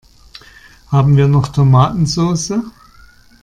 Haben wir noch Tomatensoße?